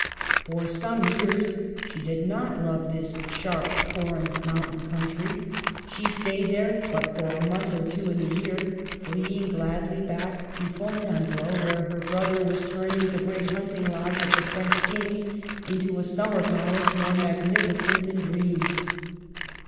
For some years she did not love this sharp, foreign, moun tain country ; she stayed there but for a month or two in the year, fleeing gladly back to 122 MARGARET OF ANGOULEME. Fontainebleau, where her brother was turning the great hunting lodge of the French kings into a summer palace more magnificent than dreams.